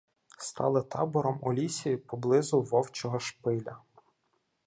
Стали табором у лісі поблизу Вовчого Шпиля.